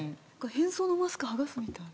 変装のマスク剥がすみたい。